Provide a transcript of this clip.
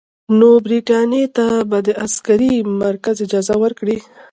نو برټانیې ته به د عسکري مرکز اجازه ورکړي.